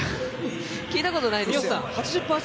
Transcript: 聞いたことないです。